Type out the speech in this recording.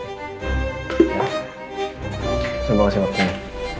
terima kasih waktunya